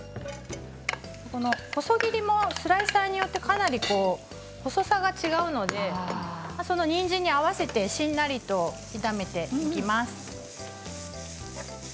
細切りもスライサーによってかなり細さが違うのでそのにんじんに合わせてしんなりと炒めていきます。